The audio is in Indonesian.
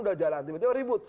itu sudah jalan tiba tiba ribut